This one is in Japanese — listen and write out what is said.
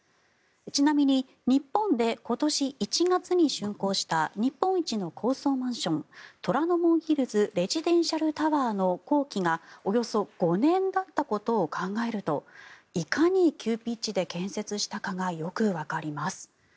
ちなみに日本で今年１月にしゅん工した日本一の高層マンション虎ノ門ヒルズレジデンシャルタワーの工期がおよそ５年だったことを考えるといかに急ピッチで建設したかがよくわかります。